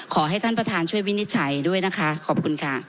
ขอให้ท่านประธานช่วยวินิจฉัยด้วยนะคะขอบคุณค่ะ